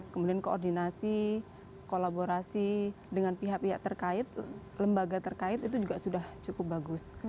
kemudian koordinasi kolaborasi dengan pihak pihak terkait lembaga terkait itu juga sudah cukup bagus